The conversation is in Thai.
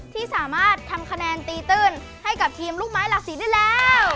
ที่สามารถทำคะแนนตีตื้นให้กับทีมลูกไม้หลากสีได้แล้ว